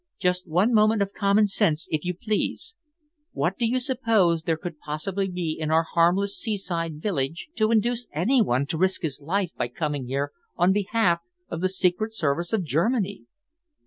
Just one moment of common sense, if you please. What do you suppose there could possibly be in our harmless seaside village to induce any one to risk his life by coming here on behalf of the Secret Service of Germany?"